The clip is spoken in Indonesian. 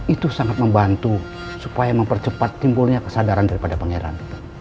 itu sangat membantu supaya mempercepat timbulnya kesadaran daripada pangeran